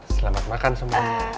selamat makan semuanya